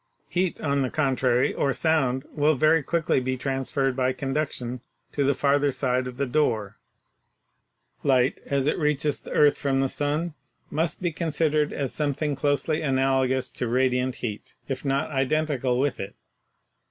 Heat, on the contrary, or sound will very quickly be transferred by conduction to the farther side of the door. Light as it reaches the earth from the sun must be considered as something close ly analogous to radiant heat, if not identical with it.